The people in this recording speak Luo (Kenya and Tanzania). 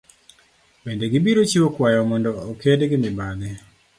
Bende gibiro chiwo kwayo mondo oked gi mibadhi.